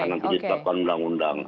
selain penciptakan undang undang